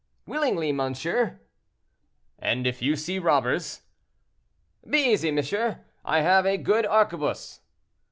"Willingly, monsieur." "And if you see robbers?" "Be easy, monsieur, I have a good arquebuse."